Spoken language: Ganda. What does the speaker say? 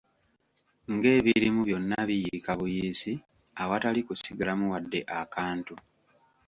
Ng'ebirimu byonna biyiika buyiisi awatali kusigalamu wadde akantu!